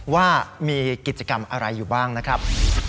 ว่ามีกิจกรรมอะไรอยู่บ้างนะครับ